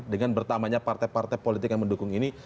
dengan bertambahnya partai partai politik yang mendukung ini